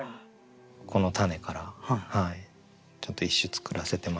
このたねからちょっと一首作らせてもらって。